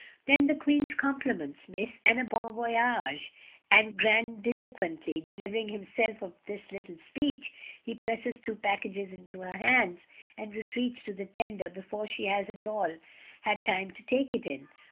"Then the Queen's compliments, miss, and a bon voyage!" and grandiloquently delivering himself of this little speech, he presses two packages into her hands and retreats to the tender before she has at all had time to take it in.